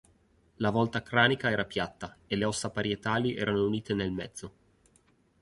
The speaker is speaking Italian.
La volta cranica era piatta e le ossa parietali erano unite nel mezzo.